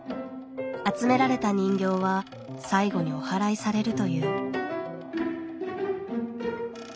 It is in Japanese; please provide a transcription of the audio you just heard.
集められた人形は最後におはらいされるという。